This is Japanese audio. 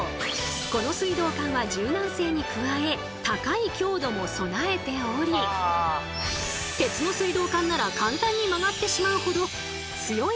この水道管は柔軟性に加え高い強度も備えており鉄の水道管なら簡単に曲がってしまうほど強い圧力をかけても大丈夫。